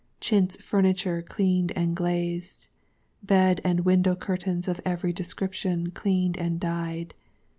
Chintz Furniture Cleaned and Glazed. Bed and Window Curtains of every description Cleaned and Dyed.